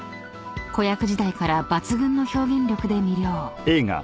［子役時代から抜群の表現力で魅了］